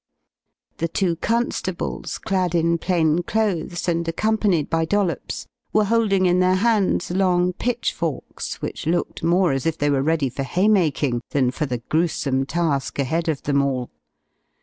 The two constables, clad in plain clothes and accompanied by Dollops, were holding in their hands long pitchforks which looked more as if they were ready for haymaking than for the gruesome task ahead of them all.